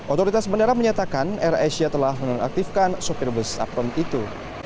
otoritas bandara menyatakan air asia telah menonaktifkan sopir bus apron itu